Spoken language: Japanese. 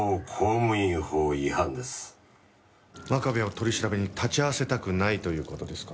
真壁を取り調べに立ち会わせたくないという事ですか？